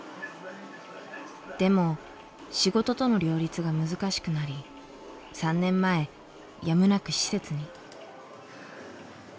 でも仕事との両立が難しくなり３年前やむなく施設に。